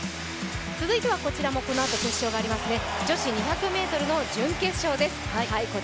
続いてはこちらもこのあと決勝がありますね、女子２００ｍの準決勝です。